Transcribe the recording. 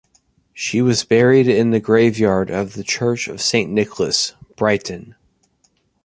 She was buried in the graveyard of the Church of Saint Nicholas, Brighton.